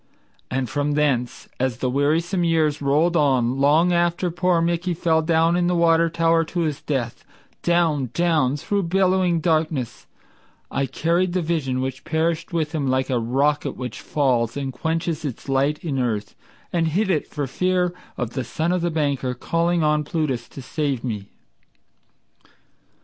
And from thence, as the wearisome years rolled on, long after Poor Mickey fell down in the water tower to his death Down, down, through bellowing darkness, I carried The vision which perished with him like a rocket which falls And quenches its light in earth, and hid it for fear Of the son of the banker, calling on Plutus to save me?